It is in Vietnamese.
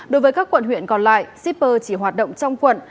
đối với các quận huyện còn lại shipper chỉ hoạt động trong quận